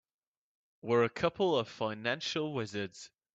We're a couple of financial wizards.